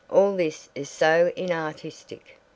All this is so inartistic."